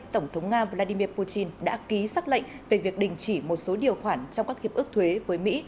tổng thống nga vladimir putin đã ký xác lệnh về việc đình chỉ một số điều khoản trong các hiệp ước thuế với mỹ